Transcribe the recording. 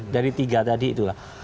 dari tiga tadi itulah